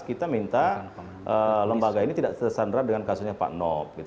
kita minta lembaga ini tidak tersandra dengan kasusnya pak nop